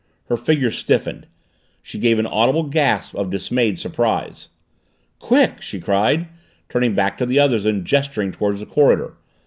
Her figure stiffened. She gave an audible gasp of dismayed surprise. "Quick!" she cried, turning back to the others and gesturing toward the corridor.